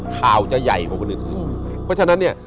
ข่าวจะใหญ่กว่าคนอื่นเพราะฉะนั้นเนี่ย